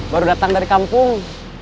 baru datang dari kampung